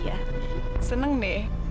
iya seneng deh